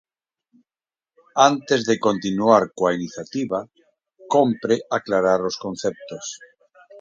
Antes de continuar coa iniciativa, cómpre aclarar os conceptos.